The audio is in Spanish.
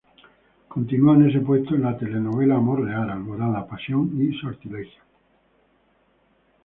Continuó en ese puesto en las telenovelas "Amor real", "Alborada", "Pasión" y "Sortilegio".